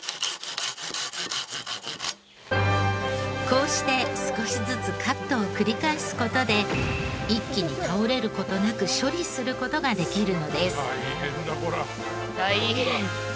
こうして少しずつカットを繰り返す事で一気に倒れる事なく処理する事ができるのです。